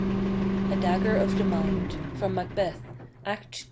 A DAGGER OF THE MIND. FROM "MACBETH," ACT II.